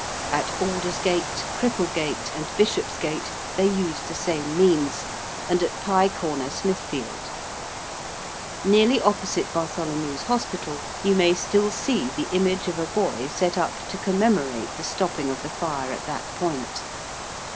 At Aldersgate, Cripplegate, and Bishopsgate, they used the same means, and at Pye Corner, Smithfield. Nearly opposite Bartholomew's Hospital, you may still see the image of a boy set up to commemorate the stopping of the fire at that point.